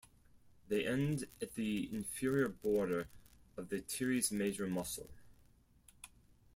They end at the inferior border of the teres major muscle.